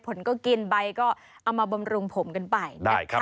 ผลก็กินใบก็เอามาบำรุงผมกันไปนะคะ